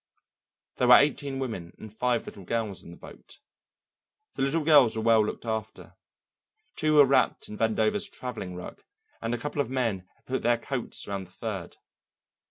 There were eighteen women and five little girls in the boat. The little girls were well looked after. Two were wrapped in Vandover's travelling rug and a couple of men had put their coats around the third.